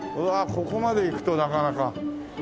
ここまでいくとなかなか。